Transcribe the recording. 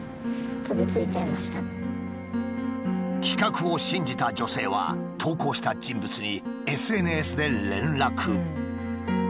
企画を信じた女性は投稿した人物にＳＮＳで連絡。